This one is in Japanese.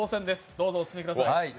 どうぞお進みください。